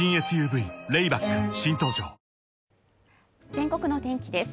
全国の天気です。